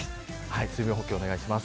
水分補給をお願いします。